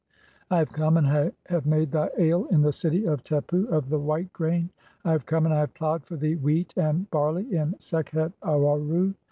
323 (34) "I have come, and I have made thy ale in the city of "Tepu of the white grain. (35) "I have come, and I have ploughed for thee wheat and "barley in Sekhet Aaru.